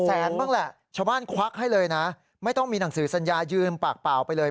แสนบ้างแหละชาวบ้านควักให้เลยนะไม่ต้องมีหนังสือสัญญายืมปากเปล่าไปเลย